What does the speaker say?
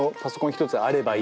１つあればいい。